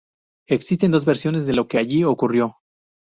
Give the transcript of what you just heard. Existen dos versiones de lo que allí ocurrió.